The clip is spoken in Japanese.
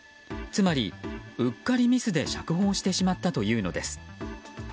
つまり、うっかりミスで釈放してしまったというのです。